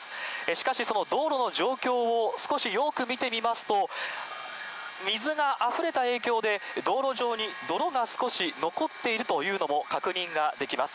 しかし、その道路の状況を少しよーく見てみますと、水があふれた影響で、道路上に泥が少し残っているというのも確認ができます。